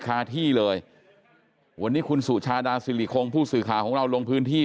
คาที่เลยวันนี้คุณสุชาดาสิริคงผู้สื่อข่าวของเราลงพื้นที่